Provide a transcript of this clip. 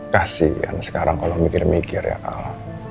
kasian sekarang kalo mikir mikir ya al